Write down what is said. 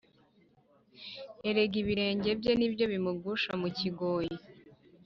erega ibirenge bye ni byo bimugusha mu kigoyi